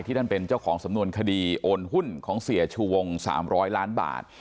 ท่านเป็นเจ้าของสำนวนคดีโอนหุ้นของเสียชูวง๓๐๐ล้านบาท